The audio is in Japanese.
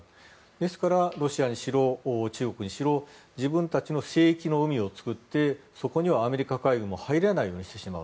ですからロシアにしろ、中国にしろ自分たちの聖域の海を作ってそこにはアメリカ海軍も入れないようにしてしまう。